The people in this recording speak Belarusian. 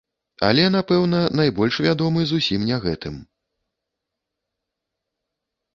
Але, напэўна, найбольш вядомы зусім не гэтым.